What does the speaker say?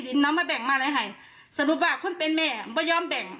นำมาแบ่งมาอะไรให้สรุปว่าคนเป็นแม่ไม่ยอมแบ่ง